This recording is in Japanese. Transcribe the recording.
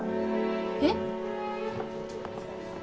えっ？